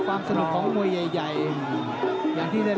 โอ้โหแดงโชว์แล้วโชว์อีกเลยเดี๋ยวดูผู้ดอลก่อน